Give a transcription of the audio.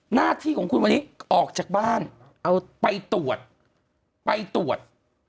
หน้าที่ของคุณวันนี้ออกจากบ้านเอาไปตรวจไปตรวจ